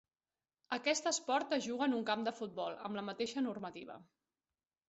Aquest esport es juga en un camp de futbol, amb la mateixa normativa.